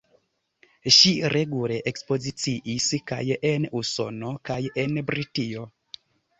Ŝi regule ekspoziciis kaj en Usono kaj en Britio.